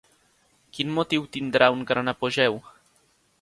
Quin motiu tindrà un gran apogeu?